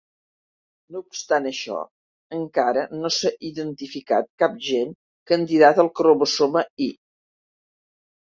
No obstant això, encara no s'ha identificat cap gen candidat al cromosoma Y.